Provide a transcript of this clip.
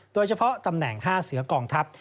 โดยเฉพาะตำแหน่ง๕เสือกองทัพ